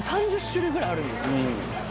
３０種類ぐらいあるんですよ